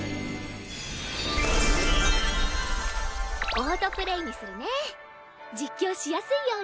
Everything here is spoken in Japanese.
オートプレイにするね実況しやすいように。